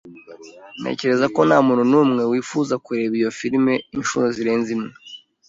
Ntekereza ko ntamuntu numwe wifuza kureba iyo firime inshuro zirenze imwe.